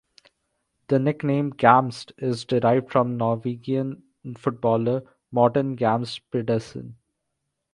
The nickname "Gamst" is derived from Norwegian footballer Morten Gamst Pedersen.